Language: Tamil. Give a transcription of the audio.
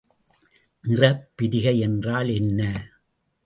நிறப்பிரிகை என்றால் என்ன?